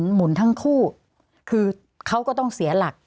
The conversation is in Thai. หมุนทั้งคู่คือเขาก็ต้องเสียหลัก